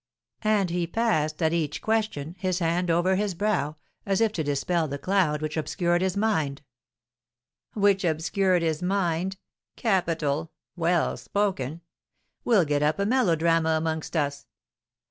And he passed, at each question, his hand over his brow, as if to dispel the cloud which obscured his mind." "Which obscured his mind! Capital! Well spoken! We'll get up a melodrama amongst us!